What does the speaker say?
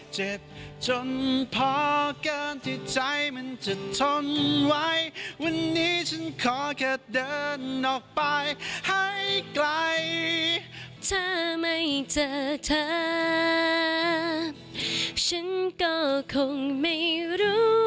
เจ็บจนพอเกินที่ใจมันจะทนไหววันนี้ฉันขอแค่เดินออกไปให้ไกล